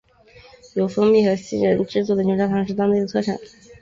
由蜂蜜和杏仁制作的牛轧糖是当地的特产。